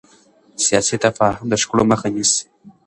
سیاسي تفاهم د شخړو مخه نیسي